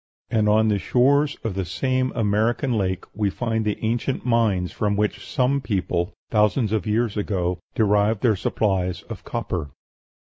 And on the shores of this same American lake we find the ancient mines from which some people, thousands of years ago, derived their supplies of copper.